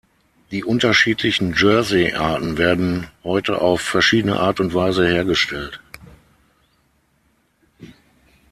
Die unterschiedlichen Jersey-Arten werden heute auf verschiedene Art und Weise hergestellt.